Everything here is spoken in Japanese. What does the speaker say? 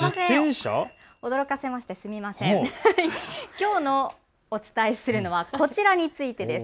きょう、お伝えするのはこちらについてです。